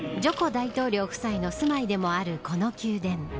大統領夫妻の住まいでもあるこの宮殿。